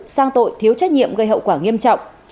sang tội thiếu trách nhiệm gây hậu quả nghiêm trọng